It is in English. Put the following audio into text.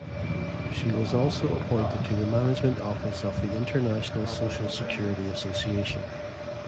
She was also appointed to the management office of the International Social Security Association.